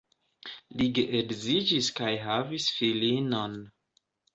Li geedziĝis kaj havis filinon.